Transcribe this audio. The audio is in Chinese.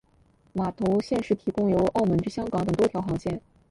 码头现时提供由澳门至香港等多条航线。